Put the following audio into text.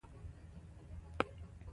مهارتونه زده کړئ.